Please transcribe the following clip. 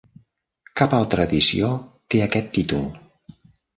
Cap altra edició té aquest títol.